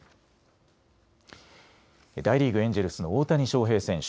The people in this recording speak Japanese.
大リーグ、エンジェルスの大谷翔平選手。